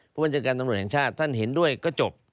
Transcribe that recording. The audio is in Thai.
ผู้บัญชาการตำรวจแห่งชาติท่านเห็นด้วยก็จบ